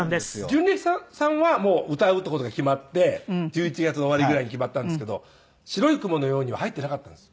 純烈さんはもう歌うっていう事が決まって１１月の終わりぐらいに決まったんですけど『白い雲のように』は入っていなかったんです。